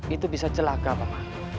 itu bisa celaka paman